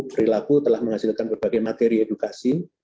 perilaku telah menghasilkan berbagai materi edukasi